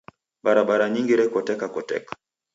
Barabara nyingi rekotekakoteka.